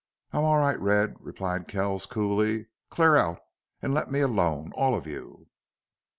"I'm all right, Red," replied Kells, coolly. "Clear out and let me alone. All of you."